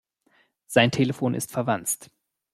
Sein Telefon ist verwanzt.